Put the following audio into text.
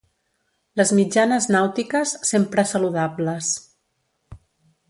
Les mitjanes nàutiques, sempre saludables.